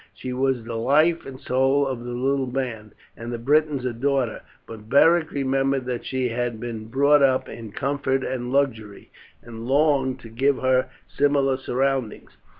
She was the life and soul of the little band, and the Britons adored her; but Beric remembered that she had been brought up in comfort and luxury, and longed to give her similar surroundings.